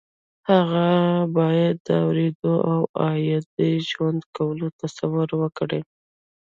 هغه باید د اورېدو او عادي ژوند کولو تصور وکړي